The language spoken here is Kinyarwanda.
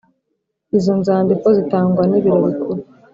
Izo nzandiko zitangwa n ibiro bikuru